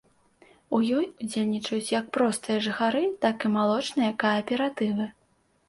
У ёй удзельнічаюць як простыя жыхары, так і малочныя кааператывы.